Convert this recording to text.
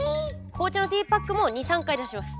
紅茶のティーパックも２３回出します。